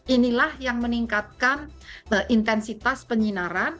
inilah yang meningkatkan intensitas penyinaran